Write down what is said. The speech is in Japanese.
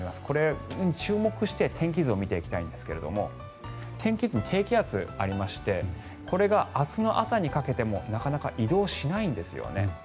これに注目して天気図を見ていきたいんですが天気図に低気圧がありましてこれが明日の朝にかけてもなかなか移動しないんですよね。